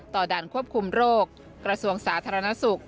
ด่านควบคุมโรคกระทรวงสาธารณสุข